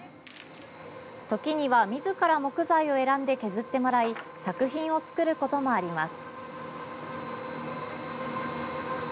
時には、みずから木材を選んで削ってもらい作品を作ることもあります。